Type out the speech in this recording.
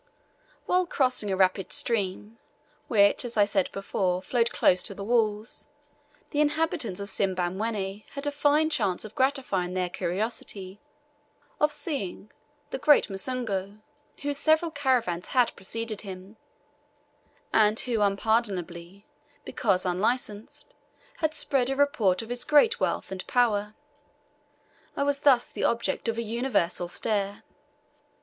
While crossing a rapid stream, which, as I said before flowed close to the walls, the inhabitants of Simbamwenni had a fine chance of gratifying their curiosity of seeing the "Great Musungu," whose several caravans had preceded him, and who unpardonably, because unlicensed, had spread a report of his great wealth and power. I was thus the object of a universal stare.